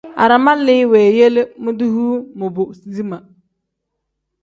Alaraami li weeyele modoyuu mobo zimaa.